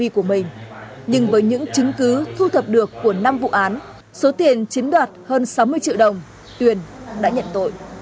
cũng không nghĩ được cái gì hết